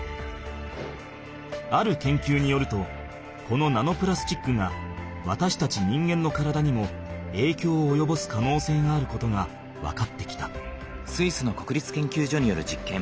ある研究によるとこのナノプラスチックがわたしたち人間の体にも影響をおよぼす可能性があることが分かってきた。